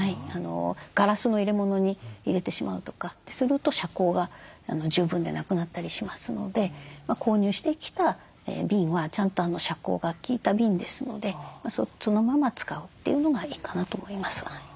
ガラスの入れ物に入れてしまうとかすると遮光が十分でなくなったりしますので購入してきた瓶はちゃんと遮光が効いた瓶ですのでそのまま使うというのがいいかなと思います。